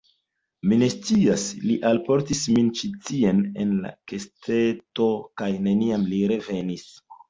Mi ne scias; li alportis min ĉi tien en kesteto, kaj neniam li revenis...